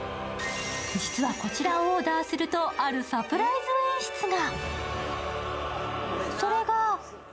実は、こちらをオーダーすると、あるサプライズ演出が。